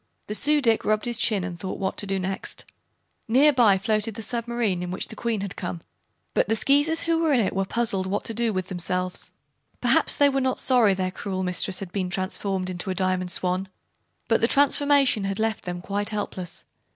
The Su dic rubbed his chin and thought what to do next. Near by floated the submarine in which the Queen had come, but the Skeezers who were in it were puzzled what to do with themselves. Perhaps they were not sorry their cruel mistress had been transformed into a Diamond Swan, but the transformation had left them quite helpless.